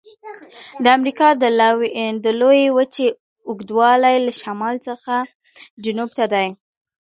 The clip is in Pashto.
د امریکا د لویې وچې اوږدوالی له شمال څخه جنوب ته دی.